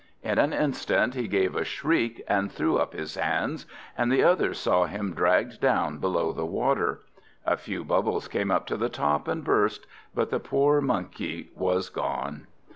In an instant he gave a shriek and threw up his hands, and the others saw him dragged down below the water! A few bubbles came up to the top and burst, but the poor Monkey was gone.